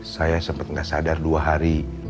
saya sempet gak sadar dua hari